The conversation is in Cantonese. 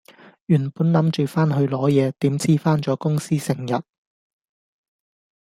原本諗住返去攞嘢，點知返咗公司成日